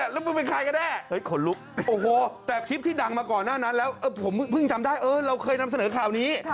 แล้วมึงเป็นใครกันแน่ขนลุกโอ้โหแต่คลิปที่ดังมาก่อนหน้านั้นแล้วผมเพิ่งจำได้เออเราเคยนำเสนอข่าวนี้